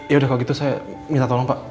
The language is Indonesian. ya udah kalau gitu saya minta tolong pak